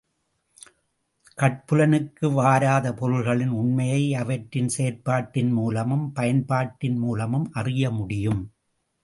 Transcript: கட்புலனுக்கு வாராத பொருள்களின் உண்மையை அவற்றின் செயற்பாட்டின் மூலமும், பயன்பாட்டின் மூலமும் அறிய முடியும்.